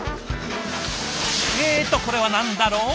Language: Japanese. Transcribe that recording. えっとこれは何だろう？